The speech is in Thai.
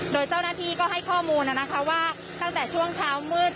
โดยเจ้าหน้าที่ก็ให้ข้อมูลนะคะว่าตั้งแต่ช่วงเช้ามืด